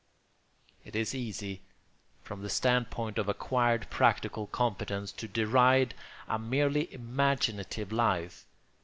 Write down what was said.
It is easy, from the stand point of acquired practical competence, to deride a merely imaginative life.